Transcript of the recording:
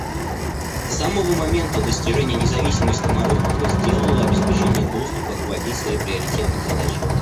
С самого момента достижения независимости Марокко сделало обеспечение доступа к воде своей приоритетной задачей.